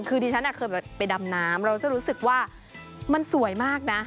คือดิฉันเคยไปดำน้ำเราจะรู้สึกว่ามันสวยมากนะ